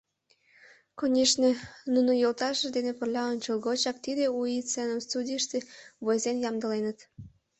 Конешне, нуно йолташыж дене пырля ончылгочак тиде У ий сценым студийыште войзен ямдыленыт.